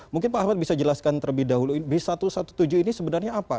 mungkin pak ahmad bisa jelaskan terlebih dahulu b satu ratus tujuh belas ini sebenarnya apa